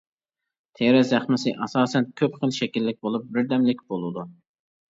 تېرە زەخمىسى ئاساسەن كۆپ خىل شەكىللىك بولۇپ بىردەملىك بولىدۇ.